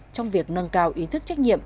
trong việc nâng cao ý thức trách nhiệm